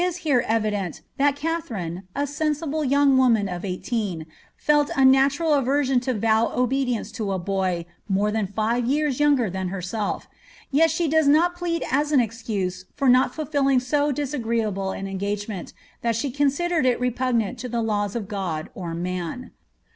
here evident| that Katharine, a sensible young woman of eighteen, felt a natural avei^ sion to vow obedience to a boy more than five years younger than her self; yet she does not plead as an excuse for not fulfilling so disagrse able an engagement, that she considered it repugnant to the laws of God or man.